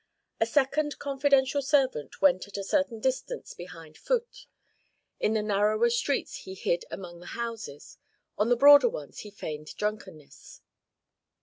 A second confidential servant went at a certain distance behind Phut; in the narrower streets he hid among the houses, on the broader ones he feigned drunkenness.